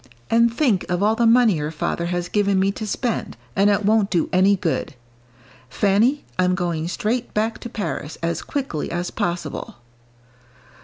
And think of all the money your father has given me to spend, and it won't do any good. Fanny, I'm going straight back to Paris, as quickly as possible."